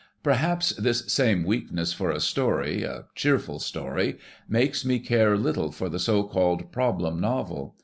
Perhaps tliis same weakness for a story, a cheerful story, makes me care little for the so called problem novel.